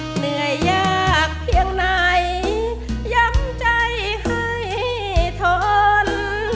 เหนื่อยยากเพียงไหนย้ำใจให้ทน